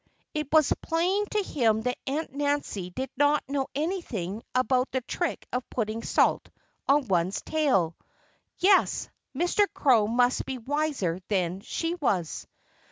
It was plain to him that Aunt Nancy didn't know anything about the trick of putting salt on one's tail. Yes! Mr. Crow must be wiser than she was.